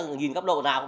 nhìn gấp độ nào